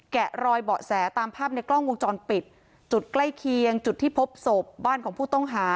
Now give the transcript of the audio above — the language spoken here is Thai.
แกะรอยเบาะแสตามภาพในกล้องวงจรปิดจุดใกล้เคียงจุดที่พบศพบ้านของผู้ต้องหา